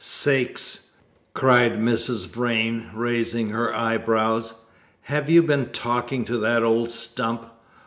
"Sakes!" cried Mrs. Vrain, raising her eyebrows, "have you been talking to that old stump?